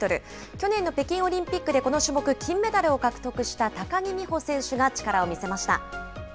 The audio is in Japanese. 去年の北京オリンピックでこの種目、金メダルを獲得した高木美帆選手が力を見せました。